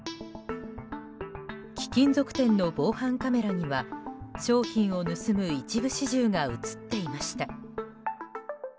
貴金属店の防犯カメラには商品を盗む一部始終が映っていました。